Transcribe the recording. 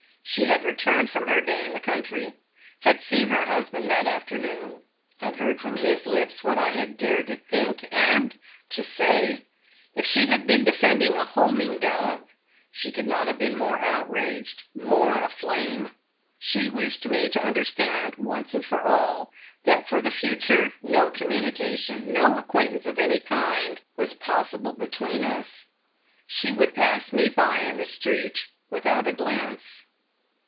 She had returned from her day in the country; had seen her husband that afternoon; had heard from his lips what I had dared to think and to say! If she had been defending a homing dove, she could not have been more outraged, more aflame. She wished me to understand, once and for all, that for the future no communication, no acquaintance of any kind was possible between us. She would pass me by in the street without a glance.